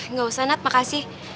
nggak usah nat makasih